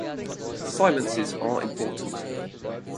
Silences are important.